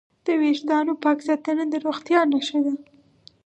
د وېښتانو پاک ساتنه د روغتیا نښه ده.